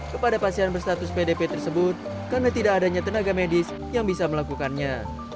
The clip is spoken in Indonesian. kepada pasien berstatus pdp tersebut karena tidak adanya tenaga medis yang bisa melakukannya